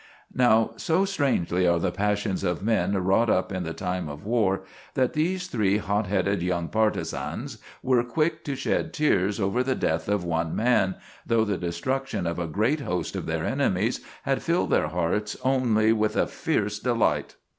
Now, so strangely are the passions of men wrought up in the time of war that these three hot headed young partizans were quick to shed tears over the death of one man, though the destruction of a great host of their enemies had filled their hearts only with a fierce delight.